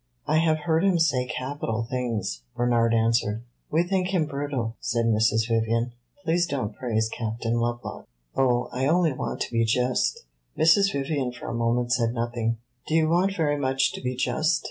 "I have heard him say capital things," Bernard answered. "We think him brutal," said Mrs. Vivian. "Please don't praise Captain Lovelock." "Oh, I only want to be just." Mrs. Vivian for a moment said nothing. "Do you want very much to be just?"